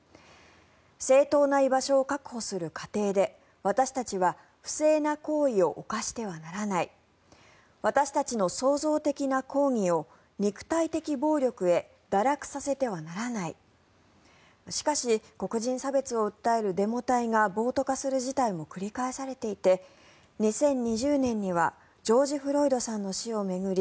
正当な居場所を確保する過程で私たちは不正な行為を犯してはならない私たちの創造的な抗議を肉体的暴力へ堕落させてはならないしかし、黒人差別を訴えるデモ隊が暴徒化する事態も繰り返されていて２０２０年にはジョージ・フロイドさんの死を巡り